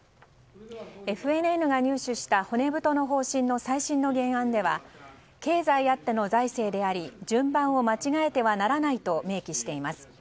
ＦＮＮが入手した骨太の方針の最新の原案では経済あっての財政であり順番を間違えてはならないと明記しています。